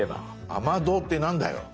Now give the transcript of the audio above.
雨どうって何だよ。